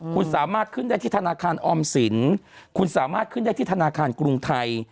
คุณสามารถขึ้นได้ที่ธนาคารออมสินคุณสามารถขึ้นได้ที่ธนาคารกรุงไทย